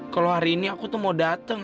kalo hari ini aku tuh mau dateng